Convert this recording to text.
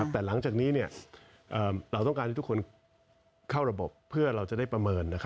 แต่หลังจากนี้เราต้องการให้ทุกคนเข้าระบบเพื่อเราจะได้ประเมิน